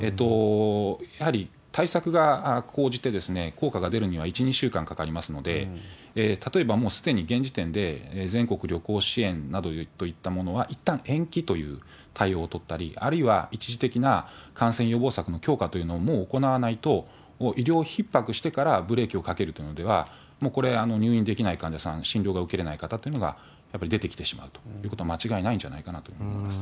やはり対策が講じて効果が出るには１、２週間かかりますので、例えばもうすでに現時点で全国旅行支援などといったものはいったん延期という対応を取ったり、あるいは一時的な感染予防策の強化というのをもう行わないと、医療ひっ迫してからブレーキをかけるというのでは、もうこれ、入院できない患者さん、診療が受けれない方というのがやっぱり出てきてしまうということは、間違いないんじゃないかと思います。